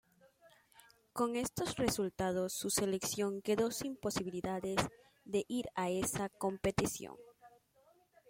Con estos resultados, su selección quedó sin posibilidades de ir a esa competición.